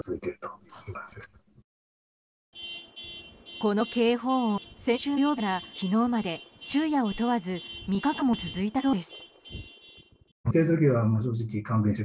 この警報音、先週の土曜日から昨日まで、昼夜を問わず３日間も続いたそうです。